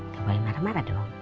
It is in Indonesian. gak boleh marah marah dong